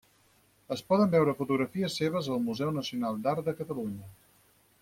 Es poden veure fotografies seves al Museu Nacional d'Art de Catalunya.